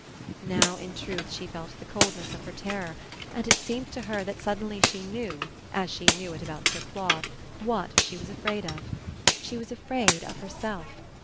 Now in truth she felt the coldness of her terror, and it seemed to her that suddenly she knew, as she knew it about Sir Claude, what she was afraid of. She was afraid of herself.